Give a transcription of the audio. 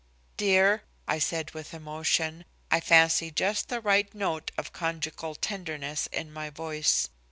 "Dear," I said with emotion, I fancy just the right note of conjugal tenderness in my voice.